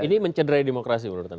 ini mencederai demokrasi menurut anda